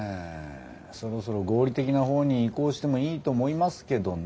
そろそろ合理的な方に移行してもいいと思いますけどね。